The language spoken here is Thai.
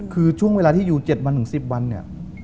คือช่วงเวลาที่อยู่๗๑๐วัน